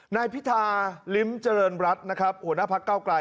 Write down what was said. นายพิธาลิ้มเจริญรัฐนะครับหัวหน้าพักเก้าไกล